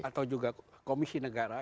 atau juga komisi negara